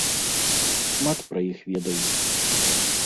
Шмат пра іх ведаю.